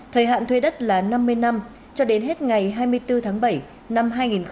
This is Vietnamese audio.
thời hạn thuê đất là năm mươi năm cho đến hết ngày hai mươi bốn tháng bảy năm hai nghìn hai mươi